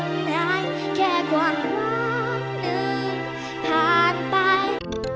ที่หล่นให้แค่ความรักหนึ่งผ่านไป